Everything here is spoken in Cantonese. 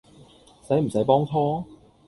駛唔駛幫拖？